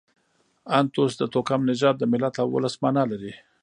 انتوس د توکم، نژاد، د ملت او اولس مانا لري.